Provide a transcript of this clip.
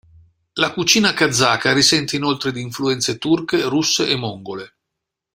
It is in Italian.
La cucina kazaka risente inoltre di influenze turche, russe e mongole.